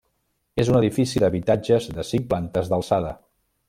És un edifici d'habitatges de cinc plantes d'alçada.